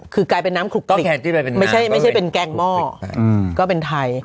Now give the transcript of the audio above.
คือกลายเป็นน้ำขลุกกล้องไม่ใช่เป็นแกงหม้อก็เป็นไทย